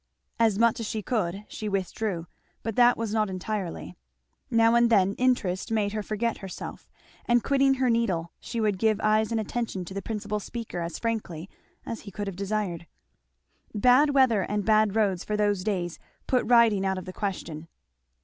"As much as she could" she withdrew; but that was not entirely; now and then interest made her forget herself, and quitting her needle she would give eyes and attention to the principal speaker as frankly as he could have desired. Bad weather and bad roads for those days put riding out of the question.